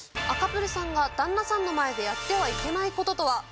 赤プルさんが旦那さんの前でやってはいけない事とは？